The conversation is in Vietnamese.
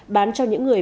bán cho những người